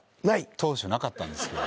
当初なかったんですけどね。